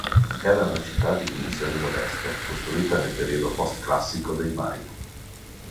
Era una città di dimensioni modeste costruita nel periodo post-classico dei Maya.